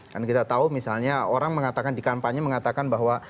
dan kita tahu misalnya orang mengatakan di kampanye mengatakan bahwa